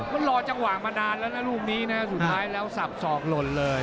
มันรอจังหวะมานานแล้วนะลูกนี้นะสุดท้ายแล้วสับสอกหล่นเลย